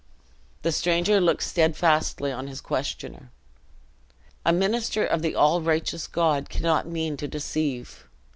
The stranger looked steadfastly on his questioner; "A minister of the all righteous God cannot mean to deceive.